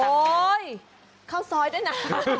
โอ๊ยข้าวซอยด้วยนะ